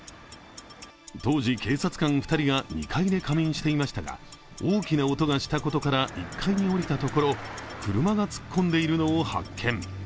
当時、警察官２人が２階で仮眠していましたが大きな音がしたことから１階に下りたところ、車が突っ込んでいるのを発見。